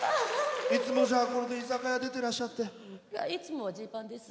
いつも、これで居酒屋、出ていらっしゃって？